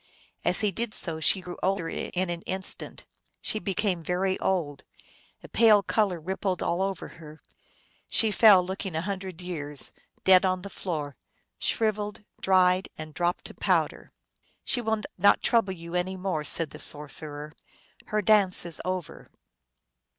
As he did so she grew older in an instant, she became very old ; a pale color rippled all over her ; she fell, looking a hundred years, dead on the floor, shriveled, dried, and dropped to powder. " She will not trouble you any more," said the sor cerer. " Her dance is over."